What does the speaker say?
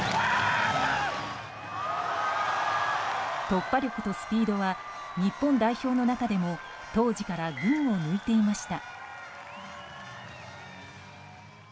突破力とスピードは日本代表の中でも当時から群を抜いていました。